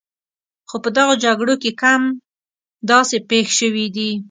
خو په دغو جګړو کې کم داسې پېښ شوي دي.